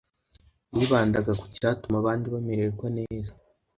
Yibandaga ku cyatuma abandi bamererwa neza